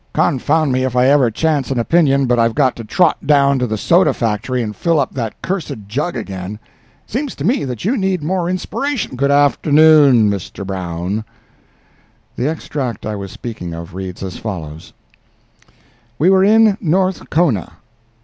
Confound me if I ever chance an opinion but I've got to trot down to the soda factory and fill up that cursed jug again. It seems to me that you need more inspiration—" "Good afternoon, Brown." The extract I was speaking of reads as follows: "We were in North Kona.